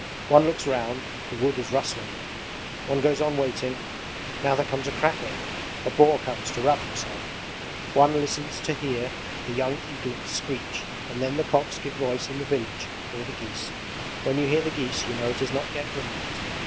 One looks round the wood is rustling; one goes on waiting, now there comes a crackling a boar comes to rub himself; one listens to hear the young eaglets screech and then the cocks give voice in the village, or the geese. When you hear the geese you know it is not yet midnight.